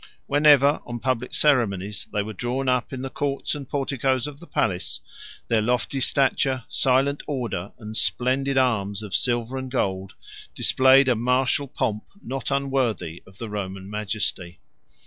Whenever, on public ceremonies, they were drawn up in the courts and porticos of the palace, their lofty stature, silent order, and splendid arms of silver and gold, displayed a martial pomp not unworthy of the Roman majesty.